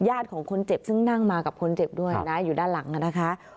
ของคนเจ็บซึ่งนั่งมากับคนเจ็บด้วยนะอยู่ด้านหลังนะคะ